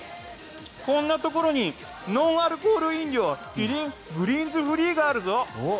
こんなところにノンアルコール飲料キリングリーンズフリーがあるぞ。